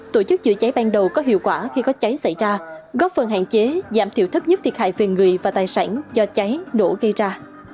tổ chức chữa cháy ban đầu có hiệu quả khi có cháy xảy ra góp phần hạn chế giảm thiểu thấp nhất thiệt hại về người và tài sản do cháy nổ gây ra